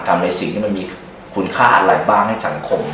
ในสิ่งที่มันมีคุณค่าอะไรบ้างให้สังคม